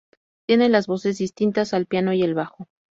Tiene las voces distintas, el piano y el bajo.